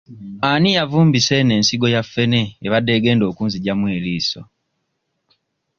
Ani yavumbise eno ensigo ya ffene ebadde egenda okunzigyamu eriiso?